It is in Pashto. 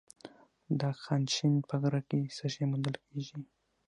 د خانشین په غره کې څه شی موندل کیږي؟